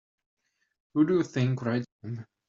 Who do you think writes them?